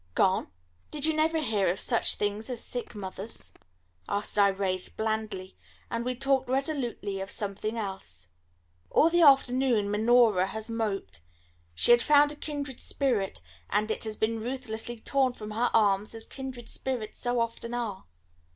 "Gone?" "Did you never hear of such things as sick mothers?" asked Irais blandly; and we talked resolutely of something else. All the afternoon Minora has moped. She had found a kindred spirit, and it has been ruthlessly torn from her arms as kindred spirits so often are.